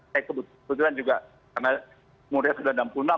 saya kebetulan juga karena muria seribu sembilan ratus enam puluh enam